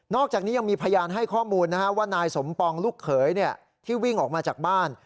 อกจากนี้ยังมีพยานให้ข้อมูลว่านายสมปองลูกเขยที่วิ่งออกมาจากบ้าน